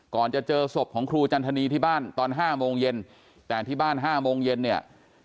ก่อนจะเจอศพของครูจันทนีที่บ้านตอน๕โมงเย็นแต่ที่บ้าน๕โมงเย็นเนี่ย